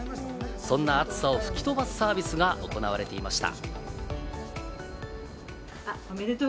そんな暑さを吹き飛ばすサービスが行われていました。